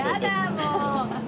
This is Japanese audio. もう。